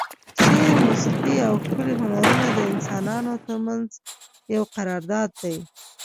شعر، موسیقي او ښکلي هنرونه د انسانانو ترمنځ یو قرارداد دی.